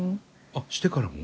あっしてからも？